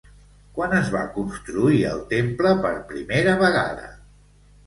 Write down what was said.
Quan es va construir el temple per primera vegada?